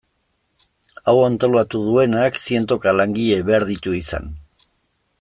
Hau antolatu duenak zientoka langile behar ditu izan.